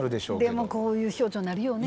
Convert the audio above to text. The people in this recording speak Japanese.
でもこういう表情になるよね。